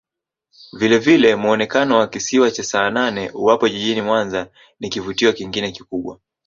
Vilevile muonekano wa Kisiwa cha Saanane uwapo jijini Mwanza ni kivutio kingine kikubwa